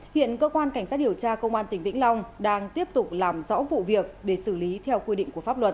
hiện cơ quan cảnh sát điều tra công an tỉnh vĩnh long đang tiếp tục làm rõ vụ việc để xử lý theo quy định của pháp luật